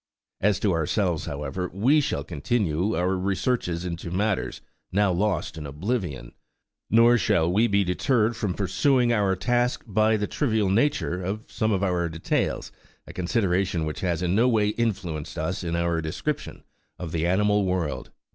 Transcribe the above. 8 As to ourselves, however, we shall continue our researches into matters now lost in ob livion, nor shall we be deterred from pursuing our task by the trivial nature9 of some of our details, a consideration which has in no way influenced us in our description of the animal world.